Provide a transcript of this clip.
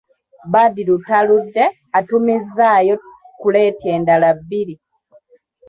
Badru taludde atumizzaayo kuleeti endala bbiri!